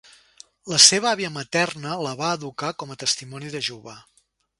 La seva àvia materna la va educar com a testimoni de Jehovà.